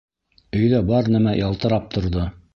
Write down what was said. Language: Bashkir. Өйҙә бар нәмә ялтырап торҙо.